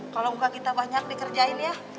kalo enggak kita banyak dikerjain ya